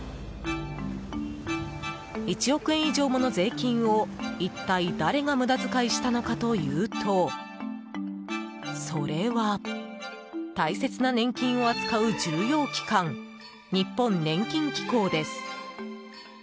１億円以上もの税金を、一体誰が無駄遣いしたのかというとそれは大切な年金を扱う重要機関日本年金機構です。